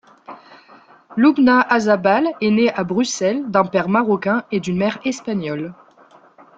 Lubna Azabal est née à Bruxelles d'un père marocain et d'une mère espagnole.